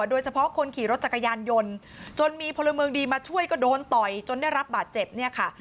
โดยเฉพาะคนขี่รถจักรยานยนต์จนมีพลเมืองดีมาช่วยก็โดนต่อยจนได้รับบาดเจ็บเนี่ยค่ะ